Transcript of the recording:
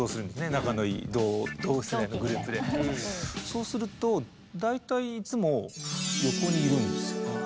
そうすると大体いつも横にいるんですよね。